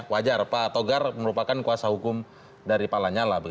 wajar pak togar merupakan kuasa hukum dari palanyala